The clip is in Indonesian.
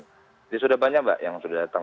jadi sudah banyak mbak yang sudah datang